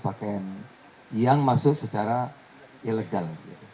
pakaian yang masuk secara ilegal